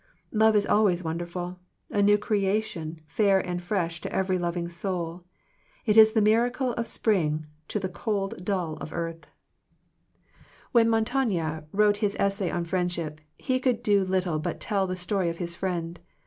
Love is always wonderful, a new creation, fair and fresh to every loving soul. It is the miracle of spring to the cold dull earth. 20 Digitized by VjOOQIC THE MIRACLE OF FRIENDSHIP When Montaigne wrote his essay on Friendship, he could do little but tell the story of his friend.